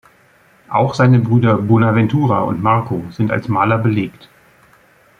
Auch seine Brüder Bonaventura und Marco sind als Maler belegt.